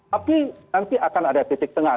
tapi nanti akan ada titik tengah